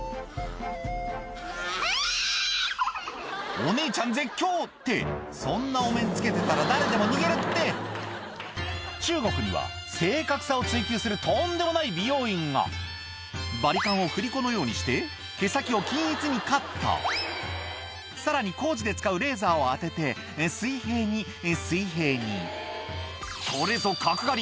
お姉ちゃん絶叫ってそんなお面つけてたら誰でも逃げるって中国には正確さを追求するとんでもない美容院がバリカンを振り子のようにして毛先を均一にカットさらに工事で使うレーザーを当てて水平に水平にこれぞ角刈り！